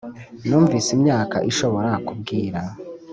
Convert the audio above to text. numvise imyaka ishobora kubwira